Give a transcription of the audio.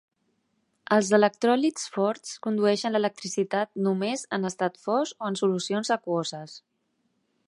Els electròlits forts condueixen l'electricitat "només" en estat fos o en solucions aquoses.